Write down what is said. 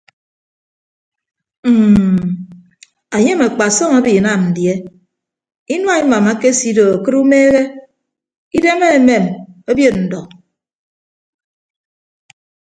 Mm anyem akpasọm abinam die inua imam akesido akịd umeehe idem amem obiod ndọ.